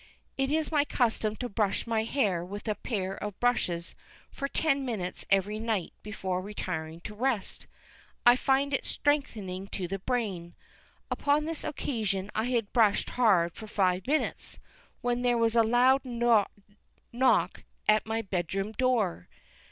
It is my custom to brush my hair with a pair of brushes for ten minutes every night before retiring to rest. I find it strengthening to the brain. Upon this occasion I had brushed hard for five minutes, when there was a loud knock at my bed room door.